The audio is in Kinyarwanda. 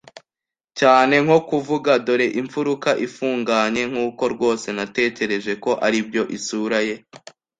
cyane nko kuvuga, “Dore imfuruka ifunganye,” nkuko, rwose, natekereje ko aribyo. Isura ye